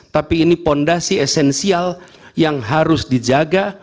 tapi ini fondasi esensial yang harus dijaga